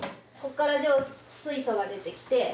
ここから蒸気が出てきて。